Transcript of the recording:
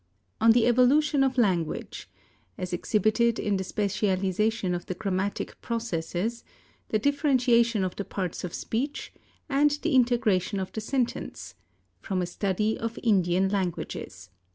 ON THE EVOLUTION OF LANGUAGE, As Exhibited In The Specialization of the Grammatic Processes, the Differentiation of the Parts of Speech, and the Integration of the Sentence; From a Study of Indian Languages.